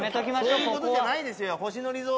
そういう事じゃないですよ。